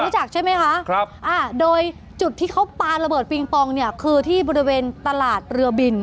จากใช่ไหมคะครับอ่าโดยจุดที่เขาปาระเบิดปิงปองเนี่ยคือที่บริเวณตลาดเรือบิน